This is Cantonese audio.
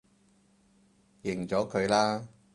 認咗佢啦